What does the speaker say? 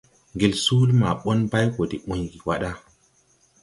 Ŋgel suuli maa ɓɔn bay go de uygi wà ɗa.